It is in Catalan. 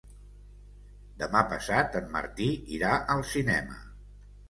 Demà passat en Martí irà al cinema.